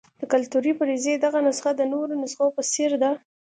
د کلتوري فرضیې دغه نسخه د نورو نسخو په څېر ده.